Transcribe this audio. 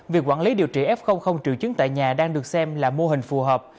việc quản lý điều trị f triệu chứng tại nhà đang được xem là mô hình phù hợp